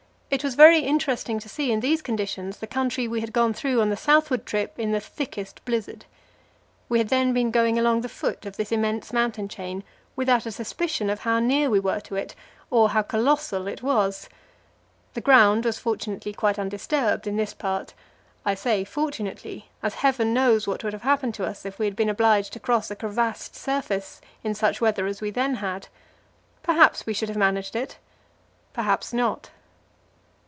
It was very interesting to see in these conditions the country we had gone through on, the southward trip in the thickest blizzard. We had then been going along the foot of this immense mountain chain without a suspicion of how near we were to it, or how colossal it was. The ground was fortunately quite undisturbed in this part. I say fortunately, as Heaven knows what would have happened to us if we had been obliged to cross a crevassed surface in such weather as we then had. Perhaps we should have managed it perhaps not.